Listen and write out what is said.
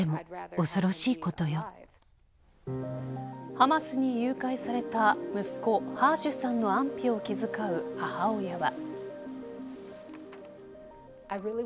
ハマスに誘拐された息子、ハーシュさんの安否を気遣う母親は。